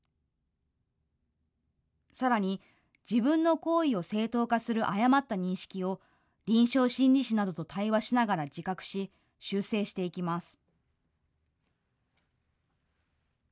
さらに、自分の行為を正当化する誤った認識を臨床心理士などと対話しながら自覚し、修正していきます。